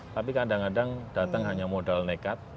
tapi kadang kadang datang hanya modal nekat